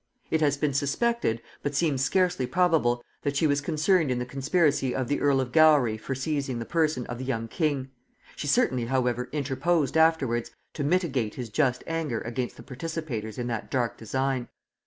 It has been suspected, but seems scarcely probable, that she was concerned in the conspiracy of the earl of Gowry for seizing the person of the young king; she certainly however interposed afterwards to mitigate his just anger against the participators in that dark design.